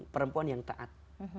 perempuan yang taat